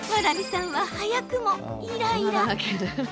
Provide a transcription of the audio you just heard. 蕨さんは、早くもイライラ。